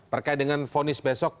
berkait dengan fonis besok